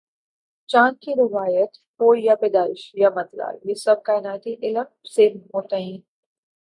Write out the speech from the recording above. چاند کی رویت ہو یا پیدائش یا مطلع، یہ سب کائناتی علم سے متعین ہوں۔